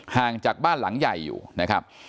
ห่างจากบ้านหลังใหญ่อยู่นะครับ